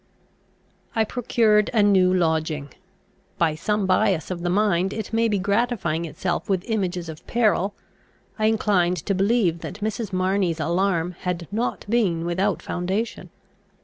I procured a new lodging. By some bias of the mind, it may be, gratifying itself with images of peril, I inclined to believe that Mrs. Marney's alarm had not been without foundation.